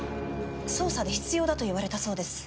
捜査で必要だと言われたそうです。